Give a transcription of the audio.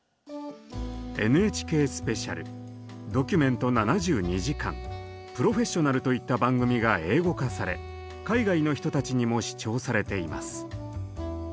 「ＮＨＫスペシャル」「ドキュメント７２時間」「プロフェッショナル」といった番組が英語化され海外の人たちにも視聴されています。